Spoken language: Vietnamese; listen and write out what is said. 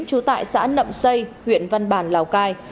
chú tại xã nậm xây huyện văn bàn lào cai